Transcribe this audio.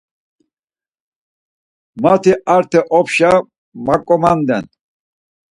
Mati Arte opşa maǩomanden.